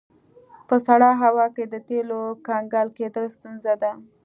په سړه هوا کې د تیلو کنګل کیدل ستونزه ده